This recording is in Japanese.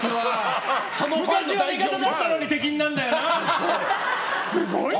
昔、相方だったのに敵になるんだよな！